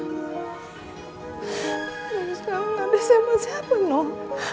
terus sekarang ada siapa siapa loh